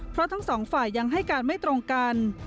เพราะทั้งสองฝ่ายยังให้การไม่ตรงกัน